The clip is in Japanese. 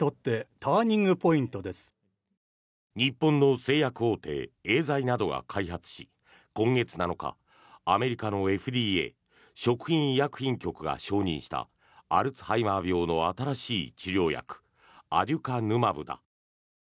日本の製薬大手エーザイなどが開発し今月７日、アメリカのＦＤＡ・食品医薬品局が承認したアルツハイマー病の新しい治療薬アデュカヌマブだ。